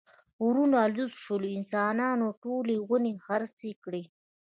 غرونه لوڅ شول، انسانانو ټولې ونې خرڅې کړې.